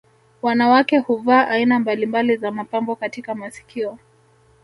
Wanawake huvaa aina mbalimbali za mapambo katika masikio